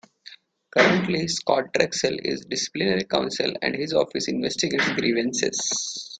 Currently Scott Drexel is Disciplinary Counsel and his office investigates grievances.